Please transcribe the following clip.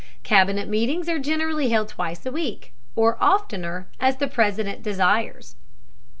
Cabinet meetings are generally held twice a week, or oftener, as the President desires.